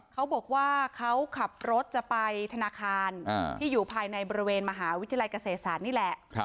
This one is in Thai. เขาบอกว่าเขาขับรถจะไปธนาคารที่อยู่ภายในบริเวณมหาวิทยาลัยเกษตรศาสตร์นี่แหละ